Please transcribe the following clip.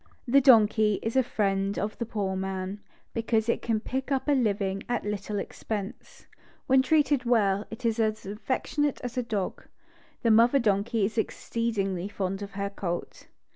The donkey is a friend of the poor man, because it can pick up a living at little expense. When treated well, it is as affectionate as a dog. The mother donkey is exccedingly fond of her colt.